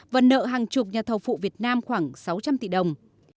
và nợ hàng chục nhà thầu phụ việt nam khoảng sáu trăm linh tỷ đồng